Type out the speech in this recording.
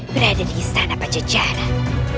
berada di istana pajajaran